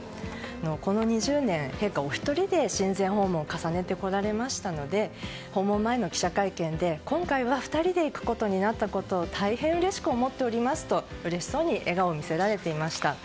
この２０年、陛下お一人で親善訪問を重ねてこられましたので訪問前の記者会見で今回は２人で行くことになって大変うれしく思っておりますとうれしそうに笑顔を見せられていました。